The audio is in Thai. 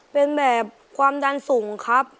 เป็นแบบความดันสูงครับ